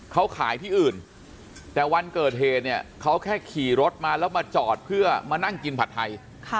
เขาขายที่อื่นแต่วันเกิดเหตุเนี่ยเขาแค่ขี่รถมาแล้วมาจอดเพื่อมานั่งกินผัดไทย